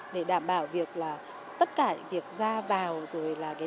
để đảm bảo việc là tất cả việc ra vào rồi là cái tiết kiệm